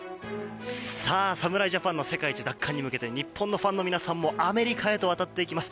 さあ、侍ジャパンの世界一奪還に向けて日本のファンの皆さんもアメリカへと渡っていきます。